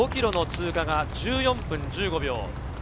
５ｋｍの通過が１４分１５秒。